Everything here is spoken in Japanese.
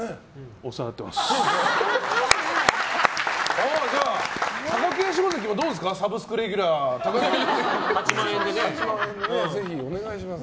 お世話になっています。